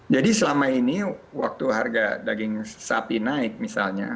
jadi selama ini waktu harga daging sapi naik misalnya